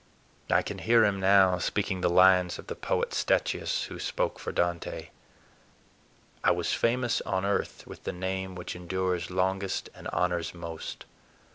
I can hear him now, speaking the lines of the poet Statius, who spoke for Dante: "_I was famous on earth with the name which endures longest and honors most.